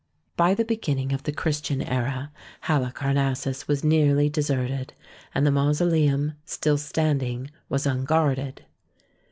By the beginning of the Christian era Halicar nassus was nearly deserted, and the mausoleum, still standing, was unguarded.